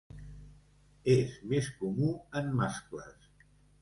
És més comú en mascles.